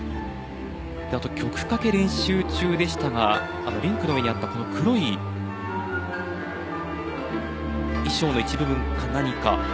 曲かけ練習中でしたがリンクの上にあった黒い、衣装の一部分か何か。